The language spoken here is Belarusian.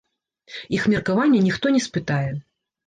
Іх меркаванне ніхто не спытае.